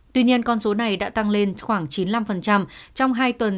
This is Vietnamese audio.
tuy nhiên con số này đã tăng lên khoảng chín mươi năm trong hai tuần